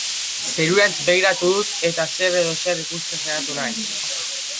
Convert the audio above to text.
Zerurantz begiratu dut, eta zer edo zer ikusten saiatu naiz.